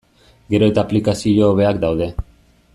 Gero eta aplikazio hobeak daude.